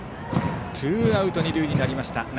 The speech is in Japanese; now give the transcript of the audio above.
ツーアウト、二塁になりました。